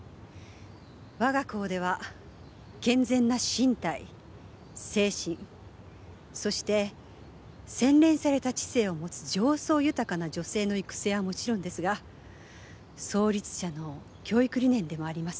我が校では健全な身体精神そして洗練された知性を持つ情操豊かな女性の育成はもちろんですが創立者の教育理念でもあります